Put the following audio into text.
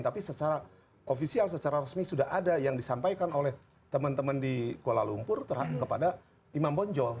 tapi secara ofisial secara resmi sudah ada yang disampaikan oleh teman teman di kuala lumpur kepada imam bonjol